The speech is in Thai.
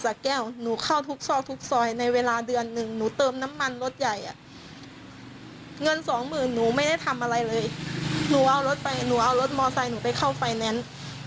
ทุกวันนี้ก็ยังส่งรถด้วยยังส่งรถไม่หมด